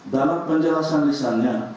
dalam penjelasan lisanya